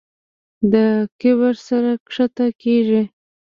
د کبر سر ښکته کېږي.